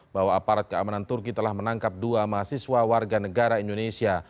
bahwa aparat keamanan turki telah menangkap dua mahasiswa warga negara indonesia